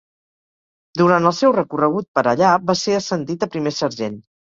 Durant el seu recorregut per allà va ser ascendit a primer sergent.